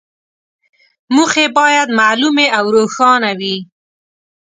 موخې باید معلومې او روښانه وي.